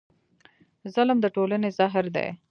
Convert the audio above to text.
ظلم د ټولنې زهر دی.